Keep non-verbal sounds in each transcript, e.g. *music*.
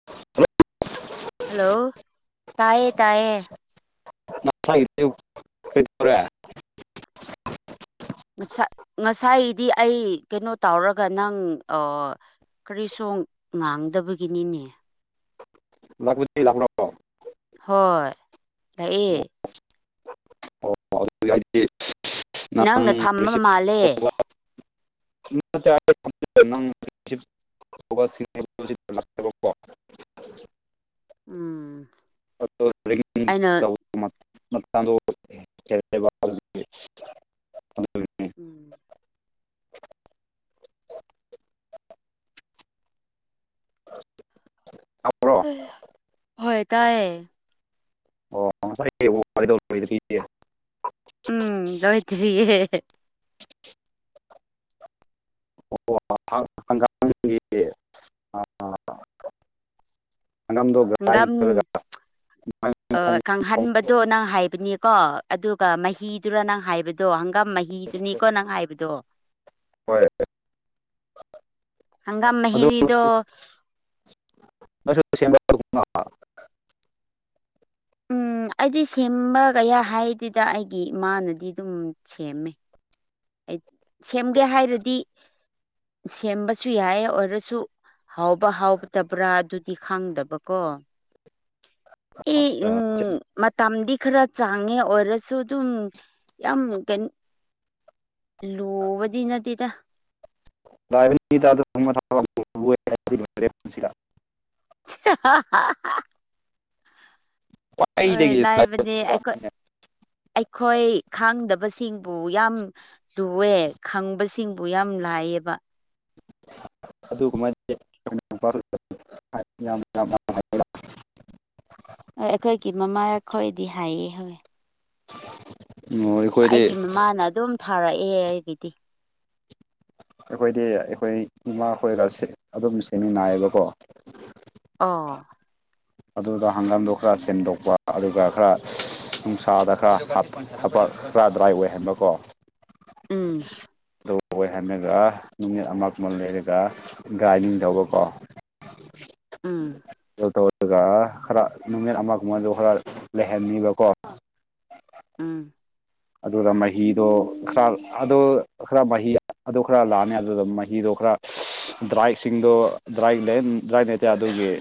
*unintelligible* hello ꯇꯥꯏꯌꯦ ꯇꯥꯏꯌꯦ *inaudible* ꯉꯁꯥꯏ ꯉꯁꯥꯏꯗꯤ ꯑꯩ ꯀꯩꯅꯣ ꯇꯧꯔꯒ ꯅꯪ ꯑ ꯀꯔꯤꯁꯨ ꯉꯥꯡꯗꯕꯒꯤꯅꯤꯅꯦ ꯂꯥꯛꯄꯗꯤ ꯂꯥꯛꯅꯣ ꯍꯣꯏ ꯂꯥꯛꯑꯦ ꯅꯪꯅ ꯊꯝꯕ ꯃꯥꯜꯂꯦ *unintelligible* *unintelligible* ꯂꯥꯛꯇꯕꯀꯣ ꯎꯝ ꯑꯩꯅ *unintelligible* ꯑꯗꯨꯒꯤꯅꯤ ꯎꯝ ꯇꯥꯕ꯭ꯔꯣ ꯍ ꯍꯣꯏ ꯇꯥꯏꯌꯦ ꯑꯣ ꯉꯁꯥꯏꯗ ꯄꯦ ꯎꯝ ꯂꯋꯥꯇꯔꯤꯌꯦ *unintelligible* ꯍꯪꯒꯥꯝ *unintelligible* ꯊꯣꯡ ꯀꯪꯍꯟꯕꯗꯣ ꯅꯪ ꯍꯥꯏꯕꯅꯤꯀꯣ ꯑꯗꯨꯒ ꯃꯍꯤꯗꯨꯅ ꯅꯪ ꯍꯥꯏꯕꯗꯣ ꯍꯪꯒꯥꯝ ꯃꯍꯤ ꯍꯤꯗꯨꯅꯤꯀꯣ ꯅꯪ ꯉꯥꯏꯕꯗꯣ ꯍꯣꯏ ꯍꯪꯒꯥꯝ ꯑꯗꯨ ꯃꯍꯤꯗꯣ *unintelligible* ꯎꯝ ꯑꯩꯗꯤ ꯁꯦꯝꯕꯒꯌꯥ ꯍꯥꯏꯗꯨꯗ ꯑꯩꯒꯤ ꯏꯃꯥꯅꯗꯤ ꯑꯗꯨꯝ ꯁꯦꯝꯃꯦ ꯁꯦꯝꯒꯦ ꯍꯥꯏꯔꯗꯤ ꯁꯦꯝꯕꯁꯨ ꯌꯥꯏ ꯑꯣꯏꯔꯁꯨ ꯍꯥꯎꯕ ꯍꯥꯎꯗꯕ꯭ꯔꯥ ꯑꯗꯨꯗꯤ ꯈꯪꯗꯕꯀꯣ ꯑꯦ ꯎꯝ ꯃꯇꯝꯗꯤ ꯈꯔ ꯆꯥꯡꯉꯦ ꯑꯣꯏꯔꯁꯨ ꯑꯗꯨꯝ ꯌꯥꯝ ꯂꯨꯕꯗꯤ ꯅꯠꯇꯦꯗ *unintelligible* ꯍꯥꯏꯕꯗꯤ ꯂꯣꯏꯔꯦ ꯄꯨꯟꯁꯤꯗ *unintelligible* ꯍꯣꯏ ꯈ꯭ꯋꯥꯏꯗꯒꯤ ꯂꯥꯏꯕꯅꯦ ꯑꯩꯈꯣꯏ ꯂꯥꯏꯕꯛꯅꯦ ꯑꯩꯈꯣꯏ ꯈꯥꯡꯗꯕꯁꯤꯡꯕꯨ ꯌꯥꯝ ꯂꯨꯋꯦ ꯈꯪꯕꯁꯤꯡꯕꯨ ꯌꯥꯝ ꯂꯥꯏꯌꯦꯕ *unintelligible* ꯑꯩꯈꯣꯏꯒꯤ ꯃꯃꯥ ꯈꯣꯏꯗꯤ ꯍꯥꯏꯑ ꯍꯧꯋꯦ ꯑꯩꯈꯣꯏꯗꯤ ꯑꯩꯒꯤ ꯃꯃꯥꯅ ꯑꯗꯨꯝ ꯊꯥꯔꯛꯑꯦ ꯑꯩꯒꯤꯗꯤ ꯑꯩꯈꯣꯏꯗꯤ ꯑꯩꯈꯣꯏ ꯏꯃꯥ ꯈꯣꯏꯔ ꯑꯗꯨꯝ ꯁꯦꯝꯃꯤꯉꯥꯏꯏꯌꯦꯕꯀꯣ ꯑꯣ ꯑꯗꯨꯗ ꯍꯪꯒꯥꯝꯗꯣ ꯈꯔ ꯁꯦꯝꯗꯣꯛꯄ ꯑꯗꯨꯒ ꯈꯔ ꯅꯨꯡꯁꯥꯗ ꯈꯔ ꯍꯥꯞꯄ ꯈꯔꯥ ꯗ꯭ꯔꯥꯏ ꯑꯣꯏꯍꯟꯕꯀꯣ ꯎꯝ ꯀꯣꯏꯍꯜꯂꯒ ꯅꯨꯅꯤꯠ ꯑꯃ ꯀꯃ ꯂꯩꯔꯒ ꯒꯥꯔꯅꯤꯡ ꯇꯧꯕꯀꯣ ꯎꯝ ꯑꯗꯨ ꯇꯧꯔꯒ ꯈꯔ ꯅꯨꯃꯤꯠ ꯑꯃꯒꯨꯝꯕꯗ ꯈꯔ ꯂꯩꯍꯟꯅꯤꯕꯀꯣ ꯎꯝ ꯑꯗꯨꯗ ꯃꯍꯤꯗꯣ ꯈꯔ ꯑꯗꯨ ꯈꯔ ꯃꯍꯤ ꯑꯗꯨ ꯈꯔ ꯂꯥꯛꯑꯅꯤ ꯑꯗꯨꯗ ꯃꯍꯤꯗꯣ ꯈꯔ ꯗ꯭ꯔꯥꯏꯁꯤꯡꯗꯣ ꯗ꯭ꯔꯥꯏ ꯗ꯭ꯔꯥꯏ ꯂꯩꯇꯦ ꯑꯗꯨꯒꯤ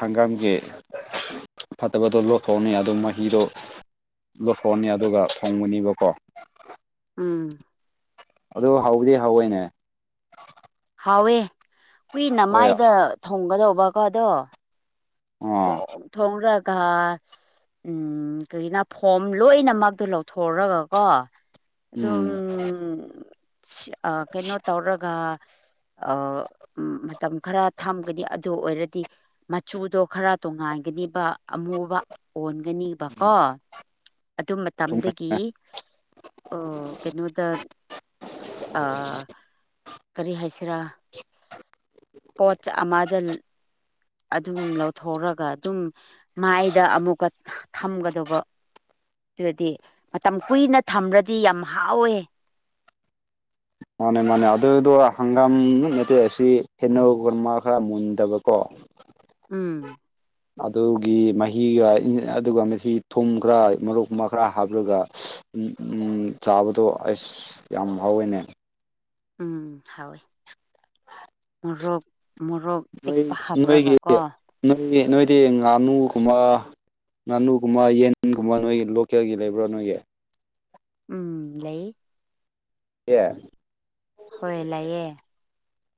ꯍꯪꯒꯥꯝꯒꯤ ꯐꯠꯇꯕꯗꯣ ꯂ ꯂꯧꯊꯣꯛꯑꯅꯤ ꯑꯗꯨ ꯃꯍꯤꯗꯣ ꯐꯣꯟꯅꯤ ꯑꯗꯨꯒ ꯊꯣꯡꯒꯅꯤꯕꯀꯣ ꯎꯝ ꯑꯗꯨ ꯍꯧꯗꯤ ꯍꯧꯋꯦꯅꯦ ꯍꯥꯎꯋꯦ ꯀꯨꯏꯅ ꯍꯣꯏ ꯃꯥꯏꯗ ꯊꯣꯡꯒꯗꯧꯕꯀꯣꯗꯣ ꯎ ꯊꯣꯡꯔꯒ ꯎꯝ ꯀꯔꯤꯒꯤꯅ ꯐꯣꯝ ꯂꯣꯏꯅ ꯃꯛꯇꯣ ꯂꯧꯊꯣꯛꯔꯒꯀꯣ ꯑꯗꯨꯝ ꯎꯝ ꯀꯩꯅꯣ ꯇꯧꯔꯒ ꯑ ꯎ ꯃꯇꯝ ꯈꯔ ꯊꯝꯒꯅꯤ ꯑꯗꯨ ꯑꯣꯏꯔꯗꯤ ꯃꯆꯨꯗꯣ ꯈꯔ ꯇꯣꯡꯉꯥꯟꯒꯅꯤꯕ ꯑꯃꯨꯕ ꯑꯣꯟꯒꯅꯤꯕꯀꯣ ꯑꯗꯨ ꯆꯨꯝꯃꯦ ꯃꯇꯝꯗꯒꯤ ꯑꯣ ꯀꯩꯅꯣꯗ ꯑ ꯀꯔꯤ ꯍꯥꯏꯁꯤꯔꯥ ꯄꯣꯠ ꯆꯩ ꯑꯃꯗ ꯑꯗꯨꯝ ꯂꯧꯊꯣꯛꯔꯒ ꯑꯗꯨꯝ ꯃꯥꯏꯗ ꯑꯃꯨꯛꯀ ꯊꯝꯒꯗꯧꯕ ꯑꯗꯨꯗꯤ ꯃꯇꯝ ꯀꯨꯏꯅ ꯊꯝꯃꯗꯤ ꯌꯥꯝ ꯍꯥꯎꯋꯦ ꯃꯥꯅꯦ ꯃꯥꯅꯦ ꯑꯗꯨꯗꯣ ꯍꯪꯒꯥꯝ ꯃꯦꯇꯩꯦ ꯑꯁꯤ ꯍꯦꯟꯅꯧꯒꯕ ꯈꯔ ꯃꯨꯟꯗꯕꯀꯣ ꯎꯝ ꯑꯗꯨꯒꯤ ꯃꯍꯤꯒ ꯑꯗꯨꯒ ꯃꯁꯤ ꯊꯨꯝ ꯈꯔ ꯃꯣꯛꯀꯨꯝꯕ ꯈꯔ ꯍꯥꯞꯂꯒ ꯆꯥꯕꯗꯣ ꯑꯁ ꯌꯥꯝ ꯐꯥꯎꯋꯦꯅꯦ ꯎꯝ ꯍꯥꯎꯣꯏ ꯃꯣꯔꯣꯛ ꯃꯣꯔꯣꯛ ꯅꯣꯏ ꯇꯦꯛꯛꯄ ꯍꯥꯕꯨꯔꯥꯒ ꯅꯣꯏꯒꯤ ꯀꯣ ꯅꯣꯏ ꯅꯣꯏꯗꯤ ꯉꯥꯅꯨꯒꯨꯝꯕ ꯉꯥꯅꯨꯒꯨꯝꯕ ꯌꯦꯟꯒꯨꯝꯕ ꯅꯣꯏꯒꯤ ꯂꯣꯀꯦꯜꯒꯤ ꯂꯩꯕ꯭ꯔꯥ ꯅꯣꯏꯒꯤ ꯎꯝ ꯂꯩ ꯑꯦ ꯍꯣꯏ ꯂꯩꯌꯦ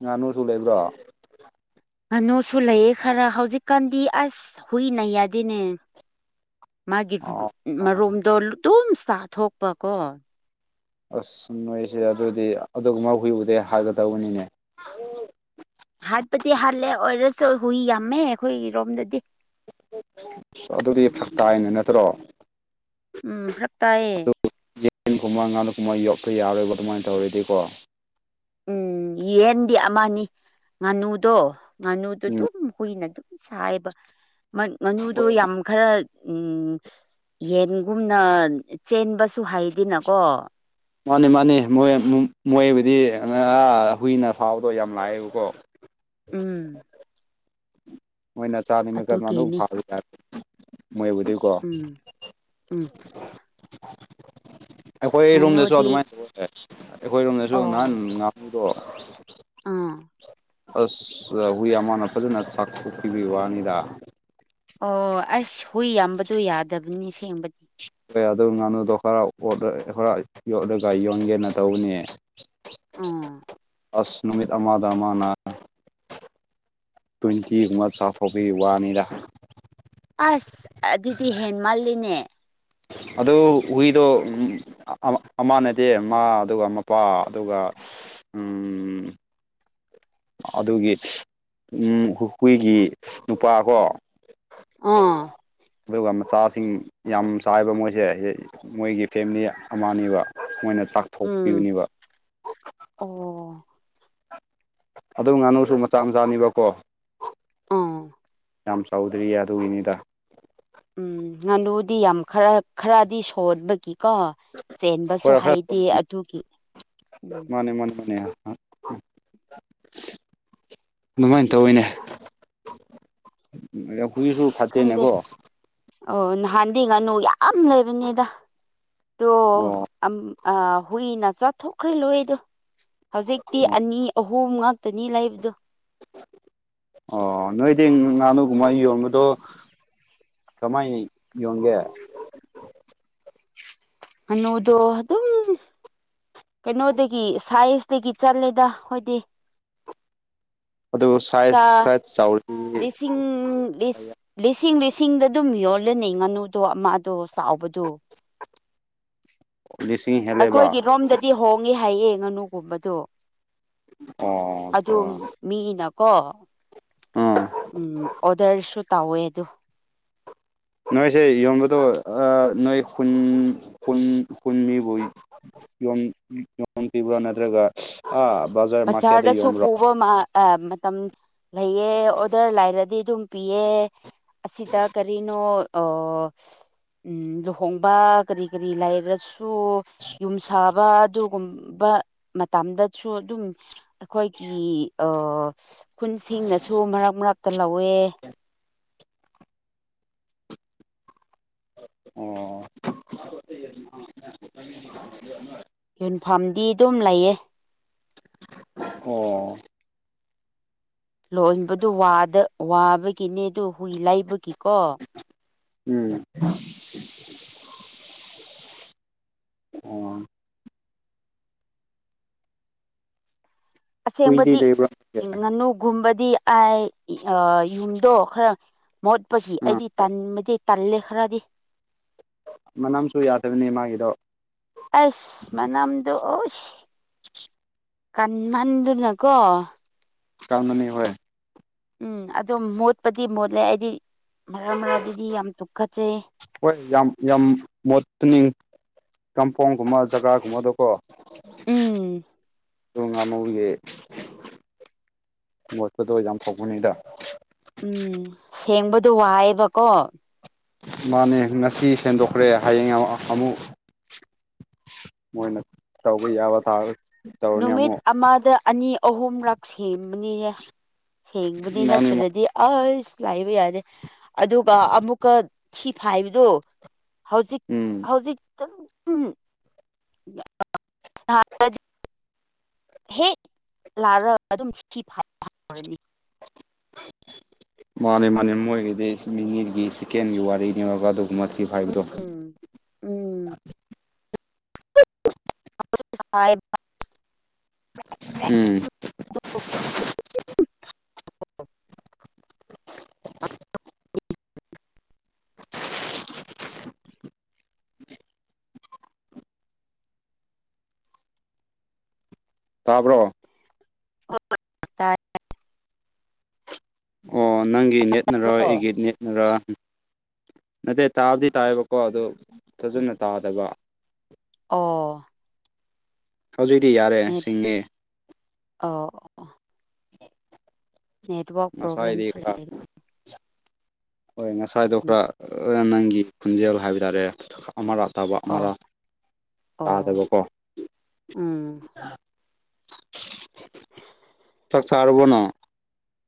ꯉꯥꯅꯨꯁꯨ ꯂꯩꯕ꯭ꯔꯣ ꯀꯅꯨꯁꯨ ꯂꯩꯌꯦ ꯈꯔ ꯍꯧꯖꯤꯛꯀꯥꯟꯗꯤ ꯑꯁ ꯍꯨꯏ ꯅ ꯌꯥꯗꯦꯅꯦ ꯃꯥꯒꯤ ꯑꯣ ꯃꯔꯨꯝꯗꯣ ꯑꯗꯨꯝ ꯆꯥꯊꯣꯛꯄꯀꯣ ꯑꯁ ꯅꯣꯏꯁꯦ ꯑꯗꯨꯗꯤ ꯑꯗꯨꯒꯨꯝꯕ ꯍꯨꯏꯨꯗꯩ ꯍꯥꯏꯒꯗꯧꯕꯅꯤꯅꯦ ꯍꯥꯠꯄꯗꯤ ꯍꯥꯜꯂꯦ ꯑꯣꯏꯔꯁꯨ ꯍꯨꯏ ꯌꯥꯝꯃꯦ ꯑꯩꯈꯣꯏꯒꯤꯔꯣꯝꯗꯗꯤ ꯑꯁ ꯑꯗꯨꯗꯤ ꯐꯛꯇꯥꯏꯅ ꯅꯠꯇ꯭ꯔꯣ ꯎꯝ ꯐꯂꯛ ꯇꯥꯏꯌꯦ ꯌꯦꯟꯒꯨꯝꯕ ꯉꯥꯅꯨꯀꯨꯝꯕ ꯌꯣꯛꯄ ꯌꯥꯔꯣꯏꯕ ꯑꯗꯨꯃꯥꯏꯅ ꯇꯧꯔꯗꯤꯀꯣ ꯎꯝ ꯌꯦꯟꯗꯤ ꯑꯃꯅꯤ ꯉꯥꯅꯨꯗꯣ ꯉꯥꯅꯨꯗꯨ ꯎꯝ ꯑꯗꯨꯝ ꯍꯨꯏꯅ ꯑꯗꯨꯝ ꯁꯥꯥꯏꯕ ꯉꯅꯨꯗꯣ ꯌꯥꯝ ꯈꯔ ꯎꯝ ꯌꯦꯟꯒꯨꯝꯅ ꯆꯦꯟꯕꯁꯨ ꯍꯩꯗꯅꯀꯣ ꯃꯥꯅꯤ ꯃꯥꯅꯤ ꯃꯣꯏ ꯃꯣꯏꯕꯨꯗꯤ ꯍꯨꯏꯅ ꯐꯥꯎꯕꯗꯣ ꯌꯥꯝ ꯂꯥꯛꯑꯦꯕꯀꯣ ꯎꯝ ꯃꯣꯏꯅ ꯆꯥꯅꯤꯡꯕ ꯀꯔꯝꯃꯥꯟꯗꯧ ꯑꯗꯨꯒꯤꯅꯤ ꯐꯥꯦ ꯃꯣꯏꯕꯨꯗꯤ ꯎꯝ ꯎꯝ ꯑꯩꯈꯣꯏ ꯔꯨꯝꯗꯁꯨ ꯉꯥꯅꯨꯗꯤ ꯑꯗꯨꯃꯥꯏꯅ ꯇꯦ ꯑꯩꯈꯣꯏꯔꯣꯝꯗꯁꯨ ꯑꯣ ꯅꯍꯥꯟ ꯉꯥꯅꯨꯗꯣ ꯑꯥ ꯑꯁ ꯍꯨꯏ ꯑꯃꯅ ꯐꯖꯅ ꯆꯥꯛꯊꯣꯛꯄꯤꯕꯤ ꯋꯥꯅꯤꯗ ꯑꯣ ꯑꯁ ꯍꯨꯏ ꯌꯥꯝꯕꯗꯣ ꯌꯥꯗꯕꯅꯤ ꯁꯦꯡꯕꯗꯤ ꯍ ꯑꯗꯨ ꯉꯥꯅꯨꯗꯣ ꯈꯔ ꯈꯔ ꯌꯣꯠꯂꯒ ꯌꯣꯟꯒꯦꯅ ꯇꯧꯕꯅꯦ ꯑꯥ ꯑꯁ ꯅꯨꯃꯤꯠ ꯑꯃꯃꯥꯗ ꯑꯃꯅꯥ ꯇ꯭ꯋꯦꯟꯇꯤꯒꯨꯝꯕ ꯆꯥꯐꯥꯎꯒꯤ ꯋꯥꯅꯤꯔꯥ ꯑꯁ ꯑꯗꯨꯗꯤ ꯍꯦꯟ ꯃꯥꯜꯂꯤꯅꯦ ꯑꯗꯨꯗ ꯑꯩꯗ ꯑꯃꯥ ꯅꯠꯇꯦ ꯃꯥ ꯑꯗꯨꯒ ꯃꯄꯥ ꯑꯗꯨꯒ ꯑꯗꯨꯒꯤ ꯍꯨꯈꯨꯏꯒꯤ ꯅꯨꯄꯥ ꯀꯣ ꯑꯥ ꯑꯗꯨꯒ ꯃꯆꯥꯁꯤꯡ ꯌꯥꯝ ꯆꯥꯏꯕ ꯃꯣꯏꯁꯦ ꯃꯣꯏꯒꯤ ꯐꯦꯃꯤꯂꯤ ꯑꯃꯅꯤꯕ ꯃꯣꯏꯅ ꯆꯥꯛ ꯎꯝ ꯑꯣ ꯑꯗꯨꯝ ꯉꯥꯅꯨꯁꯨ ꯃꯆꯥ ꯃꯆꯥꯅꯤꯕꯀꯣ ꯑꯥ ꯌꯥꯝ ꯆꯥꯎꯗ꯭ꯔꯤꯌꯦ ꯑꯗꯨꯒꯤꯅꯤꯗ ꯎꯝ ꯉꯥꯅꯨꯗꯤ ꯌꯥꯝ ꯈꯔ ꯈꯔꯗꯤ ꯁꯣꯕꯒꯤꯀꯣ ꯆꯦꯟꯕꯁꯨ ꯍꯣꯏ ꯈꯔ ꯍꯥꯏꯩꯗꯦ ꯑꯗꯨꯒꯤ ꯎꯝ ꯃꯅꯦ ꯃꯅꯦ ꯃꯅꯦ ꯑꯗꯨꯃꯥꯏꯅ ꯇꯧꯋꯤꯅꯦ ꯍꯧꯖꯤꯛꯁꯨ ꯑꯁ ꯈꯪꯗꯦ ꯐꯠꯇꯦꯅꯦꯀꯣ ꯑꯣ ꯅꯍꯥꯟꯗꯤ ꯉꯥꯅꯨ ꯌꯥꯝ ꯂꯩꯕꯅꯤꯗ ꯑꯣ ꯑ ꯍꯨꯏꯅ ꯆꯥꯊꯣꯛꯈ꯭ꯔꯦ ꯂꯣꯏꯗꯣ ꯍꯧꯖꯤꯛꯇꯤ ꯑꯣ ꯑꯅꯤ ꯑꯍꯨꯝꯛ ꯅꯤ ꯂꯥꯏꯕꯣ ꯑꯣ ꯅꯣꯏꯗꯤ ꯉꯥꯅꯨꯒꯨꯝꯕ ꯌꯣꯟꯕꯗꯣ ꯀꯃꯥꯏꯅ ꯌꯣꯟꯒꯦ ꯑꯅꯣꯗꯣ ꯑꯗꯨ ꯑꯗꯨꯝ ꯀꯩꯅꯣꯗꯒꯤ ꯁꯥꯏꯖꯇꯒꯤ ꯆꯠꯂꯦꯗ ꯍꯣꯏꯗꯤ ꯑꯗꯨ ꯆ ꯁꯥꯏꯖ ꯈꯔ ꯆꯥꯎꯔꯗꯤ ꯂꯤꯁꯤꯡ ꯂꯤ ꯂꯤꯁꯤꯡ ꯂꯤꯁꯤꯡꯗ ꯑꯗꯨꯝ ꯌꯣꯜꯂꯅꯤ ꯉꯥꯅꯨꯗꯣ ꯑꯃꯗꯣ ꯆꯥꯎꯕꯗꯣ ꯂꯤꯁꯤꯡ ꯍꯦꯜꯂꯦꯕ ꯑꯩꯈꯣꯏꯒꯤ ꯔꯣꯝꯗꯗꯤ ꯍꯣꯡꯉꯤ ꯍꯥꯏꯌꯦ ꯉꯥꯅꯨꯒꯨꯝꯕꯗꯣ ꯑꯣ ꯑꯗꯨ ꯃꯤꯅꯀꯣ ꯑꯥ ꯎ ꯑꯣꯗꯔꯁꯨ ꯇꯧꯋꯦ ꯑ ꯅꯣꯏꯁꯦ ꯌꯣꯟꯕꯗꯣ ꯅꯣꯏꯟ ꯀꯨꯟꯅꯤꯐꯨ ꯌ ꯌꯣꯟꯕ꯭ꯔꯣ ꯅꯠꯇ꯭ꯔꯒ ꯑ ꯕꯖꯥꯔ ꯃꯥꯔꯀꯦꯠꯇ ꯌꯣꯟꯕ꯭ꯔꯣ ꯑ ꯃꯇꯝ ꯂꯩꯑ ꯑꯣꯗꯔ ꯂꯥꯏꯔꯗꯤ ꯑꯗꯨꯝ ꯄꯤꯌꯦ ꯑꯁꯤꯗ ꯀꯔꯤꯅꯣ ꯑ ꯎꯝ ꯂꯨꯍꯣꯡꯕ ꯀꯔꯤ ꯀꯔꯤ ꯂꯩꯔꯁꯨ ꯁꯨ ꯌꯨꯝ ꯁꯥꯕ ꯑꯗꯨꯒꯨꯝꯕ ꯃꯇꯝꯗꯁꯨ ꯑꯗꯨꯝ ꯑꯩꯈꯣꯏꯒꯤ ꯈꯨꯟꯁꯤꯡꯅꯁꯨ ꯃꯔꯛ ꯃꯔꯛꯇ ꯂꯧꯋꯦ ꯑꯣ ꯌꯨꯟꯐꯝꯥꯝꯗꯤ ꯑꯗꯨꯝ ꯂꯩꯌꯦ ꯑꯣ ꯂꯣꯏꯕꯗꯨ ꯋꯥꯕꯒꯤꯅꯦ ꯑꯗꯨ ꯍꯨꯏ ꯂꯩꯕꯒꯤꯀꯣ ꯎꯝ ꯑꯣ ꯍꯨꯏꯗꯤ ꯑꯁꯦꯡꯕꯗꯤ ꯂꯩꯕ꯭ꯔꯥ ꯉꯥꯅꯨꯒꯨꯝꯕꯗꯤ ꯑꯥꯏ ꯌꯨꯝꯗꯣ ꯈꯔ ꯃꯣꯠꯄꯒꯤ ꯑꯥ ꯑꯩꯗꯤ ꯇꯟꯃꯗꯤ ꯇꯜꯦ ꯈꯔꯥꯗꯤ ꯃꯅꯝꯁꯨ ꯌꯥꯗꯕꯅꯦ ꯃꯥꯒꯤꯗꯣ ꯑꯁ ꯃꯅꯝꯗꯣ ꯑꯁ ꯀꯟꯍꯟꯗꯨꯅꯀꯣ ꯀꯥꯟꯅꯤ ꯍꯣꯏ ꯎꯝ ꯑꯗꯨꯣ ꯃꯣꯠꯄꯗꯤ ꯃꯣꯠꯂꯦ ꯑꯩꯗꯤ ꯃꯔꯛ ꯃꯔꯛ ꯑꯗꯨꯗꯤ ꯌꯥꯝ ꯇꯨꯈꯠꯆꯩ ꯍꯣꯏ ꯌꯥꯝ ꯌꯥꯝ ꯃꯣꯨꯅꯤꯡ ꯀꯝꯄꯥꯎꯟꯒꯨꯝꯕ ꯖꯒꯥꯒꯨꯝꯕꯗ ꯀꯣ ꯎꯝ *unintelligible* ꯑ ꯉꯥꯃꯨꯒꯤ ꯃꯣꯠꯄꯗꯣ ꯌꯥꯝ ꯐꯧꯕꯅꯤꯗ ꯎꯝ ꯁꯦꯡꯕꯗꯣ ꯋꯥꯏꯑꯦꯕꯀꯣ ꯃꯥꯅꯦ ꯉꯁꯤ ꯁ ꯁꯦꯝꯗꯣꯛꯈ꯭ꯔꯦ ꯍꯌꯦꯡ ꯑꯃꯨꯛ ꯃꯣꯏꯅ ꯇꯧꯕ ꯌꯥꯕ ꯊꯥꯔ ꯅꯨꯃꯤꯠ ꯑꯃꯗ ꯑꯅꯤ ꯑꯍꯨꯝꯂꯛ ꯁꯦꯝꯕꯅꯤꯅꯦ ꯃꯥꯅꯤ ꯁꯦꯡꯪꯅꯤꯅꯠꯇꯗꯤ ꯑꯁ ꯂꯥꯛꯏꯕ ꯌꯥꯗꯦ ꯑꯗꯨꯒ ꯑꯃꯨꯛꯀ ꯁꯤꯤ ꯐꯥꯏꯕꯗꯣ ꯍꯧꯖꯤꯛ ꯎꯝ ꯍꯧꯖꯤꯛ ꯍꯦꯛ ꯂꯥꯛꯔꯒ ꯑꯗꯨꯝ ꯁꯤ ꯐꯥꯎꯔꯅꯤ ꯃꯥꯅꯦ ꯃꯥꯅꯦ ꯃꯣꯏꯒꯤꯗꯤ ꯅꯤꯒꯤ ꯆꯤꯀꯦꯟꯒꯤ ꯋꯥꯔꯤꯅꯤꯧꯔꯒ ꯑꯗꯨꯒꯨꯝꯕ ꯊꯤꯕ ꯍꯥꯏꯕꯗꯣ ꯎ ꯎꯝ *unintelligible* ꯇꯥꯏꯕ꯭ꯔꯣ ꯎꯝ ꯇꯥꯕ꯭ꯔꯣ *unintelligible* ꯑꯣ ꯅꯪꯒꯤ ꯅꯠꯅꯔꯣ ꯑꯩꯒꯤ ꯅꯠꯅꯔ ꯅꯠꯇꯦ ꯇꯥꯕꯨꯗꯤ ꯇꯥꯏꯕꯀꯣ ꯑꯗꯨ ꯐꯖꯅ ꯇꯥꯗꯕ ꯑꯣ ꯍꯧꯖꯤꯛꯇꯤ ꯌꯥꯔꯦ ꯁꯤꯡꯉ ꯑ ꯍ ꯅꯦꯠꯋꯔꯛ ꯄꯣꯕ꯭ꯂꯦꯝꯁ ꯑꯣꯏꯒ ꯍꯣꯏ ꯉꯁꯥꯏꯗꯣ ꯂꯩ ꯈꯔ ꯅꯪꯒꯤ ꯈꯣꯟꯖꯦꯜ ꯍꯥꯏꯕ ꯇꯥꯔꯦ ꯑꯃꯥ ꯑ ꯇꯥꯕ ꯑꯣ ꯑꯃꯔꯥ ꯇꯥꯗꯕꯣ ꯑꯣ ꯀꯣ ꯎꯝ ꯍ ꯇꯛꯆꯥꯥꯔꯕꯅ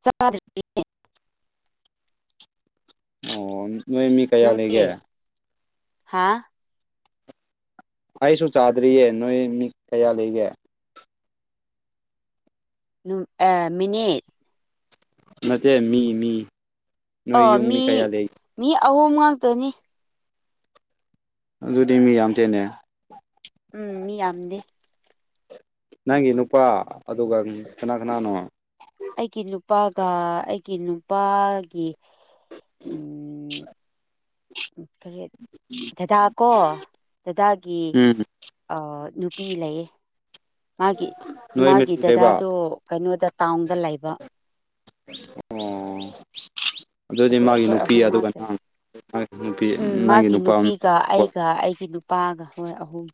ꯆꯗ ꯑꯣ ꯅꯣꯏ ꯃꯤ ꯀꯌꯥ ꯅꯪꯒꯦ ꯂꯩꯒꯦ ꯍꯥ ꯑꯩꯁꯨ ꯆꯥꯗ꯭ꯔꯤꯌꯦ ꯅꯣꯏ ꯃꯤ ꯀꯌꯥ ꯂꯩꯒꯦ ꯃꯤꯅꯤꯠ ꯅꯠꯇꯦ ꯃꯤ ꯃꯤ ꯑ ꯅꯣꯏ ꯌꯨꯝ ꯃꯤ ꯀꯌꯥ ꯂꯩ ꯃꯤ ꯑꯍꯨꯝ ꯉꯥꯛꯇꯅꯤ ꯑꯗꯨꯗꯤ ꯃꯤ ꯌꯥꯝ ꯊꯦꯟꯅꯩ ꯎꯝ ꯃꯤ ꯌꯥꯝꯗꯦ ꯅꯪꯒꯤ ꯅꯨꯄꯥ ꯑꯗꯨꯒ ꯀꯅꯥ ꯀꯅꯥꯅꯣ ꯑꯩꯒꯤ ꯅꯨꯄꯥꯒ ꯑꯩꯒꯤ ꯅꯨꯄꯥꯒꯤ ꯀꯔꯤꯦꯠ ꯗꯗꯥꯀꯣ ꯗꯗꯥꯒꯤ ꯎꯝ ꯅꯨꯄꯤ ꯂꯩꯌꯦ ꯃꯥꯒꯤ ꯅꯣꯏ ꯃꯔꯤ ꯃꯥꯒꯤ ꯂꯩꯕ ꯗꯗꯥꯗꯣ ꯀꯩꯅꯣꯗ ꯇꯥꯎꯟꯗ ꯂꯩꯕ ꯑꯣ ꯑꯗꯨꯗꯤ ꯑꯗꯨ ꯃꯥꯒꯤ ꯑꯩꯈꯣꯏ ꯅꯨꯄꯤ ꯑꯍꯨꯝ ꯑꯗꯨꯒ ꯉꯥꯛꯇ ꯂꯩ ꯅꯒꯤ ꯅꯨꯄꯤ ꯎꯝ ꯅꯪꯒꯤ ꯃꯥꯒꯤ ꯅꯨꯄꯥ ꯑꯃ ꯅꯨꯄꯤꯒ ꯑꯩꯒ ꯑꯩꯒꯤ ꯅꯨꯄꯥꯒ ꯍꯣꯏ ꯑꯍꯨꯝ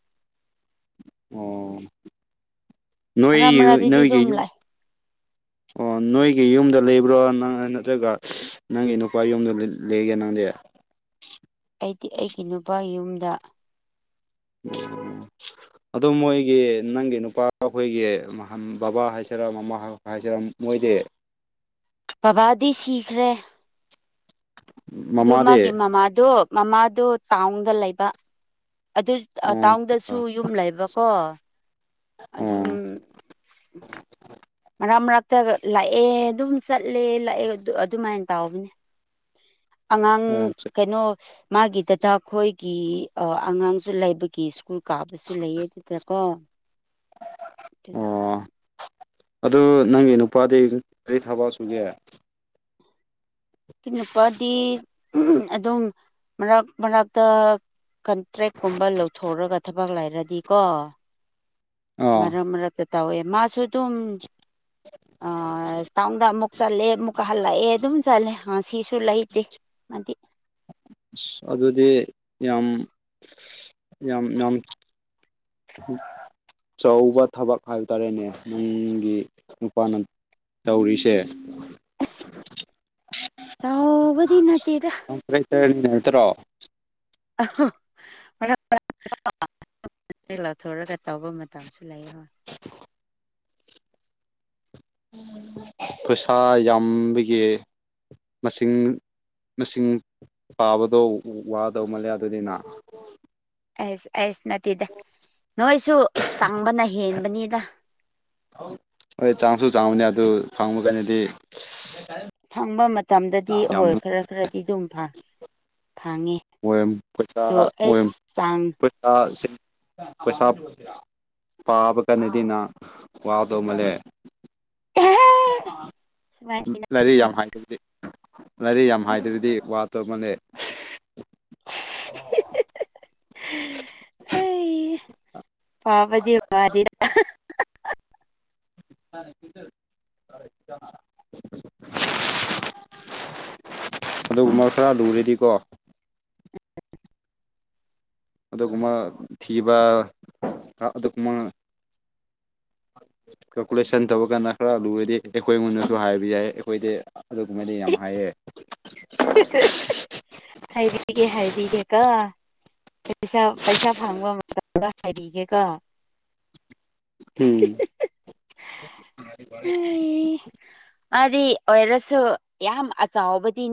ꯑꯣ ꯃꯔꯛ ꯅ ꯃꯔꯛꯗꯗꯤ ꯅꯒꯤ ꯑꯗꯨꯝ ꯂꯥꯛꯑꯦ ꯑꯣ ꯅꯣꯏꯒꯤ ꯌꯨꯝꯗ ꯂꯩꯕ꯭ꯔꯣ ꯅꯪ ꯅꯠꯇ꯭ꯔꯒ ꯅꯪꯒꯤ ꯅꯨꯄꯥ ꯌꯨꯝꯗ ꯂꯩ ꯂꯩꯌ‌ꯦ ꯅꯪꯗꯤ ꯑꯩꯗꯤ ꯑꯩꯒꯤ ꯅꯨꯄꯥꯒꯤ ꯌꯨꯝꯗ *inaudible* ꯑꯗ‌ꯣ ꯃꯣꯏꯒꯤ ꯅꯪꯒꯤ ꯅꯨꯄꯥ ꯈꯣꯏꯒꯤ ꯕꯕꯥ ꯍꯥꯏꯁꯤꯔꯥ ꯃꯃꯥ ꯍꯥꯏꯁꯤꯔ ꯃꯣꯏꯗꯤ ꯕꯕꯥꯗꯤ ꯁꯤꯈ꯭ꯔꯦ ꯑꯗꯨ ꯃꯥꯒꯤ ꯃꯃꯥꯗꯤ ꯃꯃꯥꯗꯣ ꯃꯃꯥꯗꯨ ꯇꯥꯎꯟꯗ ꯂꯩꯕ ꯑꯗꯨ ꯑꯣ ꯇꯥꯎꯟꯗꯁꯨ ꯌꯨꯝ ꯂꯩꯕꯀꯣ ꯑꯗꯨꯝ ꯑꯣ ꯃꯔꯛ ꯃꯔꯛꯇ ꯂꯥꯛꯑꯦ ꯑꯗꯨꯝ ꯆꯠꯂꯦ ꯂꯥꯛꯑꯦ ꯑꯗꯨꯃꯥꯏꯅ ꯇꯧꯕꯅꯦ ꯑꯉꯥꯡ ꯑꯣ ꯀꯩꯅꯣ ꯃꯥꯒꯤ ꯗꯗꯥ ꯈꯣꯏꯒꯤ ꯑ ꯑꯉꯥꯡꯁꯨ ꯂꯩꯕꯒꯤ ꯁ꯭ꯀꯨꯜ ꯀꯥꯕ ꯁꯨ ꯂꯩꯌꯦ ꯑꯗꯨꯗꯀꯣ ꯑꯗꯨꯒꯤ ꯑꯣ ꯑꯗꯨ ꯅꯪꯒꯤ ꯅꯨꯄꯥꯗꯤ ꯀꯔꯤ ꯊꯕꯛ ꯁꯨꯒꯦ ꯑꯩꯒꯤ ꯅꯨꯄꯥꯗꯤ ꯑꯗꯨꯝ ꯃꯔꯛ ꯃꯔꯛꯇ ꯀꯟꯇ꯭ꯔꯦꯛꯀꯨꯝꯕ ꯂꯧꯊꯣꯛꯔꯒ ꯊꯕꯛ ꯂꯩꯥꯔꯗꯤꯀꯣ ꯑꯥ ꯃꯔꯛ ꯃꯔꯛ ꯇ ꯇꯧꯋꯦ ꯃꯥꯁꯨ ꯑꯗꯨꯝ ꯑ ꯇꯥꯎꯟꯗ ꯑꯃꯨꯛ ꯆꯠꯂꯦ ꯑꯃꯨꯛꯀ ꯍꯜꯂꯛꯑꯦ ꯑꯗꯨꯝ ꯆꯠꯂꯦ ꯁꯤꯁꯨ ꯂꯩꯇꯦ ꯃꯗꯤ ꯑꯁ ꯑꯗꯨꯗꯤ ꯌꯥꯝ ꯌꯥꯝ ꯌꯥꯝ ꯑꯆꯧꯕ ꯊꯕꯛ ꯍꯥꯏꯕ ꯇꯥꯔꯦꯅꯦ ꯅꯪꯒꯤ ꯅꯨꯄꯥꯅ ꯇꯧꯔꯤꯁꯦ ꯇꯧꯕꯗꯤ ꯅꯠꯇꯦꯗ ꯇꯔꯟ ꯅꯠꯇ꯭ꯔꯣ *unintelligible* ꯂꯧꯊꯣꯔꯒ ꯇꯧꯕ ꯃꯇꯝꯁꯨ ꯂꯩꯌ‌ꯦꯕ *unintelligible* ꯄꯩꯁꯥ ꯌꯥꯝꯕꯒꯤ ꯃꯁꯤꯡ ꯃꯁꯤꯡ ꯄꯥꯕꯗꯣ ꯋꯥꯗꯧ ꯃꯥꯜꯂꯦ ꯑꯗꯨꯅꯤꯅ ꯑꯩꯁ ꯑꯩꯁ ꯅꯠꯇꯦꯗ ꯅꯣꯏꯁꯨ ꯆꯪꯕꯅ ꯍꯦꯟꯕꯅꯤꯗ ꯍꯣꯏ ꯆꯪꯁꯨ ꯆꯪꯕꯅꯤ ꯑꯗꯨ ꯐꯪꯕ ꯀꯟꯗꯗꯤ ꯐꯪꯕ ꯃꯇꯝꯗꯗꯤ ꯍꯣꯏ ꯈꯔ ꯈꯔꯗꯤ ꯑꯗꯨꯝ ꯐꯪꯉꯦ ꯑꯣꯏ ꯄꯩꯁꯥ ꯑꯗꯣ ꯑꯣꯏ ꯑꯩꯁ ꯆꯥꯡ ꯄꯩꯁꯥ ꯄꯩꯁꯥ ꯄꯥꯕ ꯀꯟꯗꯗꯤꯅ ꯋꯥꯗꯧ ꯃꯜꯂꯦ *unintelligible* ꯁꯨꯃꯥꯏꯅ ꯂꯥꯏꯔꯤꯛ ꯌꯥꯝ ꯍꯥꯏꯇꯔꯗꯤ ꯂꯥꯏꯔꯤꯛ ꯌꯥꯝ ꯍꯥꯏꯇꯔꯗꯤ ꯋꯥꯗꯧ ꯃꯜꯂ‌ꯦ *unintelligible* ꯍꯩ ꯍꯥ ꯄꯥꯕꯗꯤ ꯋꯥꯗ‌ꯦꯗ *unintelligible* ꯑꯗꯨꯒꯨꯝꯕ ꯈꯔ ꯂꯨꯔꯗꯤꯀꯣ ꯑꯗꯨꯒꯨꯝꯕ ꯊꯤꯕ ꯑꯗꯨꯒꯨꯝꯕ *inaudible* ꯀꯜꯀꯨꯂꯦꯁꯟ ꯇꯧꯕ ꯀꯥꯟꯗ ꯈꯔ ꯂꯨꯔꯗꯤ ꯑꯩꯈꯣꯏꯉꯣꯟꯗꯁꯨ ꯍꯥꯏꯕ ꯌꯥꯏꯌ‌ꯦ ꯑꯩꯈꯣꯏꯗꯤ ꯑꯗꯨꯒꯨꯝꯕꯗꯤ ꯌꯥꯝ ꯍꯩꯌꯦ ꯍꯥꯏꯕꯤꯒꯦ ꯍꯥꯏꯕꯤꯒꯦ ꯀ‌ꯣ ꯄꯩꯁꯥ ꯄꯩꯁꯥ ꯐꯪꯕ ꯃꯇꯝꯗ ꯍꯥꯏꯕꯤꯒꯦꯀ‌ꯣ ꯎꯝ ꯑꯩꯁ ꯑꯗꯨ ꯑꯣꯏꯔꯁꯨ ꯌꯥꯝ ꯑꯆꯥꯎꯕꯗꯤ ꯅꯠꯇ‌ꯦ